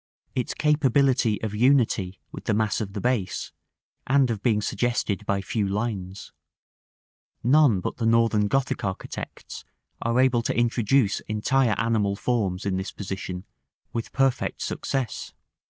its capability of unity with the mass of the base, and of being suggested by few lines; none but the Northern Gothic architects are able to introduce entire animal forms in this position with perfect success.